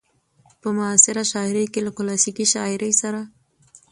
په معاصره شاعرۍ کې له کلاسيکې شاعرۍ سره